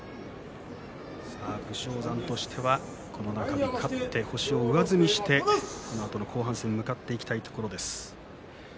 武将山としては勝って星を上積みして後半戦に向かっていきたいところです。